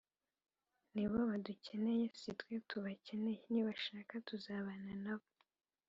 Nibo badukeneye sitwe tubakeneye nibasha tuzabana nabo